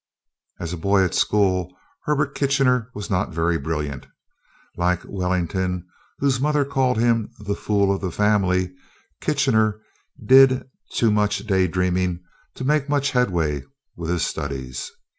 As a boy at school, Herbert Kitchener was not very brilliant. Like Wellington, whose mother called him "the fool of the family," Kitchener did too much day dreaming to make much headway with his studies.